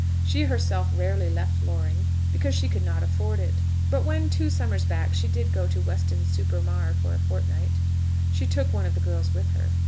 She herself very rarely left Loring, because she could not afford it; but when, two summers back, she did go to Weston super Mare for a fortnight, she took one of the girls with her.